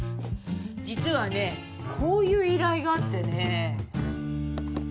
実はねこういう依頼があってね。